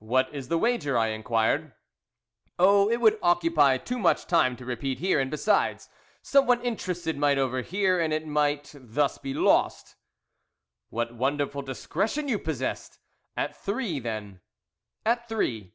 "What is the wager?" I inquired. "Oh, it would occupy too much time to repeat here, and, besides, some one interested might overhear, and it might thus be lost." "What wonderful discretion you possess! At three, then." "At three!"